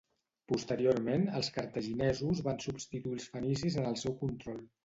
Posteriorment, els cartaginesos van substituir als fenicis en el seu control.